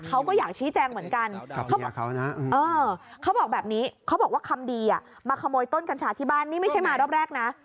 เขาก็อยากชี้แจงเหมือนกันเขาบอกแบบนี้เขาบอกว่าคำดีมาขโมยต้นกัญชาที่บ้านนี่ไม่ใช่มารอบแรกนะ